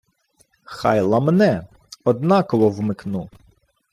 — Хай ламне, однаково вмикну.